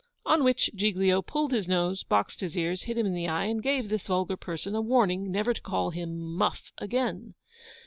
On which Giglio pulled his nose, boxed his ears, hit him in the eye, and gave this vulgar person a warning never to call him MUFF again.